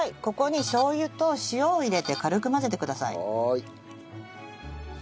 ここにしょう油と塩を入れて軽く混ぜてください。